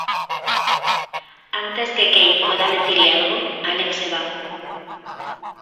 Antes que Kate pueda decirle algo, Alex se va.